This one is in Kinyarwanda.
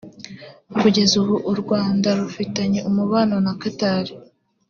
Kugeza ubu u Rwanda rufitanye umubano na Qatar